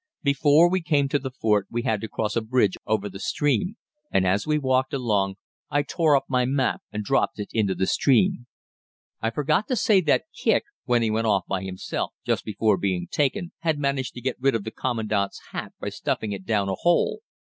Before we came to the fort we had to cross a bridge over the stream; and, as we walked along, I tore up my map and dropped it into the stream. I forgot to say that Kicq, when he went off by himself just before being taken, had managed to get rid of the Commandant's hat by stuffing it down a hole.